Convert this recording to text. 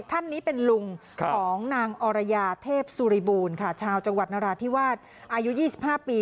ท่านนี้เป็นลุงของนางอรยาเทพสุริบูรณ์ค่ะชาวจังหวัดนราธิวาสอายุ๒๕ปี